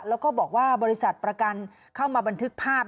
แล้วก็บอกว่าบริษัทประกันเข้ามาบันทึกภาพ